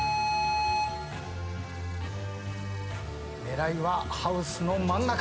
狙いはハウスの真ん中。